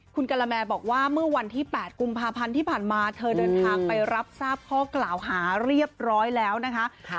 คุณกะละแมบอกว่าเมื่อวันที่๘กุมภาพันธ์ที่ผ่านมาเธอเดินทางไปรับทราบข้อกล่าวหาเรียบร้อยแล้วนะคะ